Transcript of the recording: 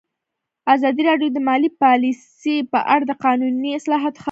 ازادي راډیو د مالي پالیسي په اړه د قانوني اصلاحاتو خبر ورکړی.